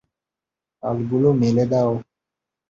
পালগুলো মেলে দাও!